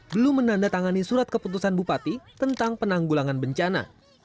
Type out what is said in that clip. belum menandatangani surat keputusan bupati tentang penanggulangan bencana